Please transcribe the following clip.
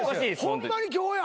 ホンマに今日や。